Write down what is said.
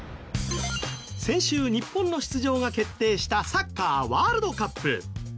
先週日本の出場が決定したサッカーワールドカップ。